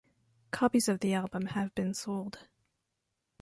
Copies of the album have been sold.